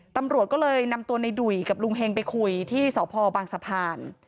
ตำรวจก็เลยนำตัวในดุ่ยกับลุงเฮงไปคุยที่สพบางสะพาน